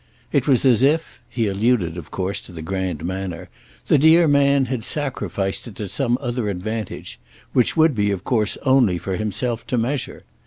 It was as if—he alluded of course to the grand manner—the dear man had sacrificed it to some other advantage; which would be of course only for himself to measure.